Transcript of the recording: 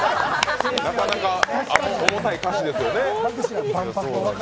なかなか重たい歌詞ですよね。